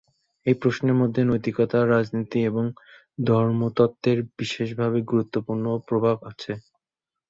এই প্রশ্নের মধ্যে নৈতিকতা, রাজনীতি, এবং ধর্মতত্ত্বের বিশেষভাবে গুরুত্বপূর্ণ প্রভাব আছে।